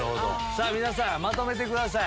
さぁ皆さんまとめてください。